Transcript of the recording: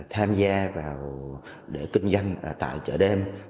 tham gia vào để kinh doanh tại chợ đêm